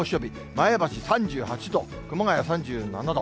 前橋３８度、熊谷３７度。